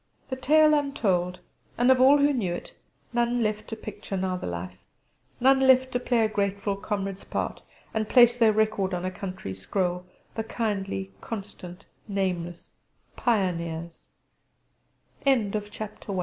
The tale untold; and, of all who knew it, none left to picture now the life, none left to play a grateful comrade's part, and place their record on a country's scroll the kindly, constant, nameless Pioneers!